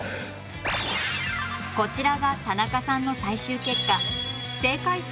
こちらが田中さんの最終結果。